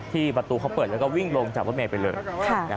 ประตูเขาเปิดแล้วก็วิ่งลงจากรถเมย์ไปเลย